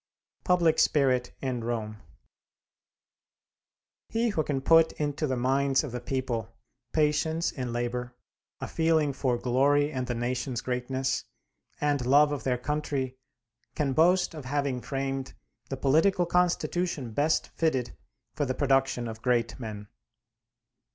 PUBLIC SPIRIT IN ROME He who can put into the minds of the people patience in labor, a feeling for glory and the nation's greatness, and love of their country, can boast of having framed the political constitution best fitted for the production of great men.